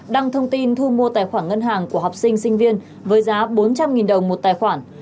đăng thông tin thu mua tài khoản ngân hàng của học sinh sinh viên với giá bốn trăm linh đồng một tài khoản